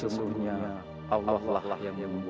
tidak ada alasan ketika hidupmu threat